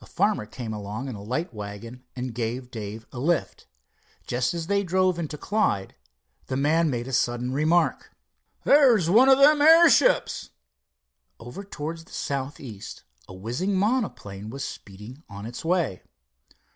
A farmer came along in a light wagon and gave Dave a lift. Just as they drove into Clyde, the man made the sudden remark: "There's one of them airships." Over towards the southeast a whizzing monoplane was speeding on its way.